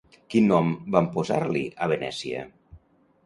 Quin nom van posar-li a Venècia?